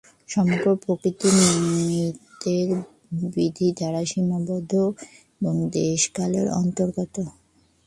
সমগ্র প্রকৃতি নিমিত্তের বিধি দ্বারা সীমাবদ্ধ এবং দেশ-কালের অন্তর্গত।